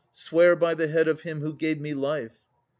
Swear by the head of him who gave me life.